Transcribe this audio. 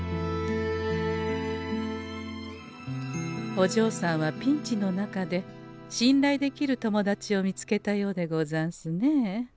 おじょうさんはピンチの中でしんらいできる友達を見つけたようでござんすね。